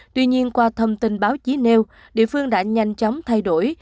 tuy nhiên qua thông tin báo chí nêu địa phương đã nhanh chóng thay đổi